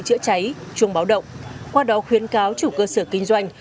chữa cháy chuông báo động qua đó khuyến cáo chủ cơ sở kinh doanh